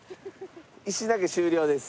石投げ終了です。